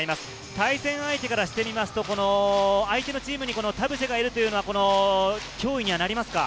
対戦相手からすると、相手のチームにこの田臥がいるというのは脅威にはなりますか？